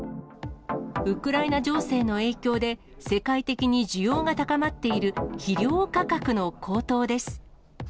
ウクライナ情勢の影響で、世界的に需要が高まっている肥料価格の高騰です。